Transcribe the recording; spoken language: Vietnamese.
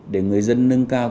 để người dân nâng cao